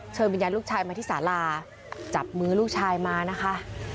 วิญญาณลูกชายมาที่สาราจับมือลูกชายมานะคะ